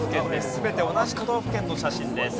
全て同じ都道府県の写真です。